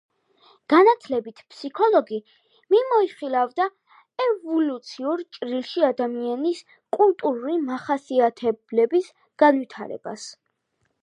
განათლებით ფსიქოლოგი მიმოიხილავდა ევოლუციურ ჭრილში ადამიანის კულტურული მახასიათებლების განვითარებას.